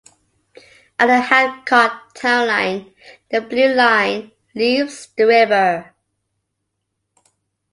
At the Hancock town line, the Blue Line leaves the river.